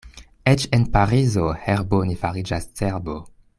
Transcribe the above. Eĉ en Parizo herbo ne fariĝas cerbo.